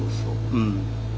うん。